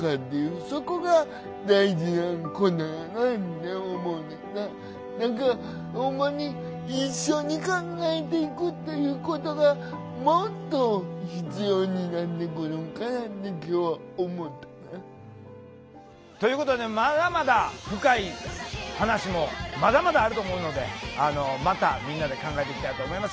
だからほんまに一緒に考えていくっていうことがもっと必要になってくるんかなって今日は思ったかな。ということでまだまだ深い話もまだまだあると思うのでまたみんなで考えていきたいと思います。